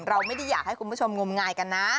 เราไม่ได้อยากให้คุณผู้ชมงมงายกันนะ